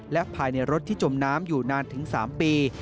และภายในรถที่จมน้ำอยู่นานถึง๓ปี